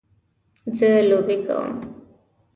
زه لوبې کوم